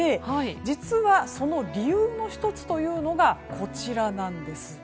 実は、その理由の１つというのがこちらなんです。